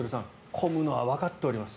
混むのはわかっております。